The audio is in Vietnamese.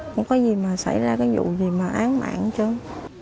không có gì mà xảy ra cái vụ gì mà án mạng hết trơn